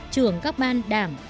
trưởng các ban đảng